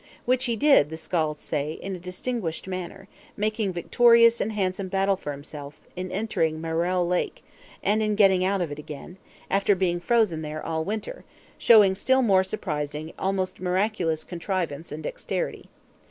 Which he did, the Skalds say, in a distinguished manner; making victorious and handsome battle for himself, in entering Maelare Lake; and in getting out of it again, after being frozen there all winter, showing still more surprising, almost miraculous contrivance and dexterity.